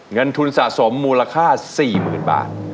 เงินทุนสะสมมูลค่า๔๐๐๐บาท